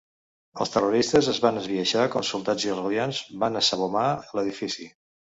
Els terroristes es van esbiaixar com soldats israelians van assabomar l'edifici.